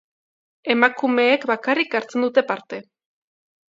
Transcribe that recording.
Emakumeek bakarrik hartzen dute parte.